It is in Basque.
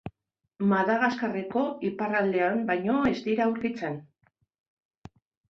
Madagaskarreko iparraldean baino ez dira aurkitzen.